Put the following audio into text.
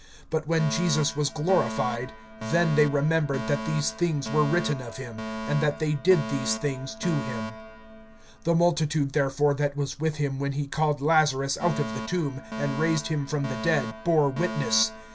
But when Jesus was glorified, then they remembered that these things were written of him, and that they did these things to him. (17)The multitude therefore that was with him when he called Lazarus out of the tomb, and raised him from the dead, bore witness.